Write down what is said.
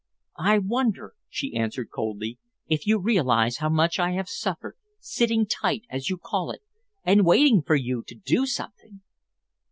"I wonder," she answered coldly, "if you realise how much I have suffered, sitting tight, as you call it, and waiting for you to do something!"